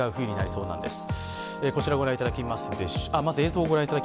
そうなんですよ。